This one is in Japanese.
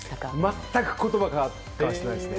全く言葉交わしてないですね。